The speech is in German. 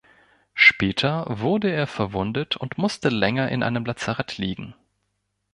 Später wurde er verwundet und musste länger in einem Lazarett liegen.